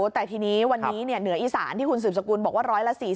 แต่ทีนี้วันนี้เหนืออีสานที่คุณสืบสกุลบอกว่า๑๔๐